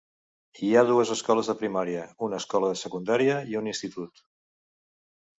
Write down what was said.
Hi ha dues escoles de primària, una escola de secundària i un institut.